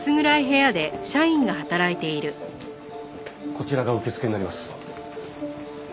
こちらが受付になります。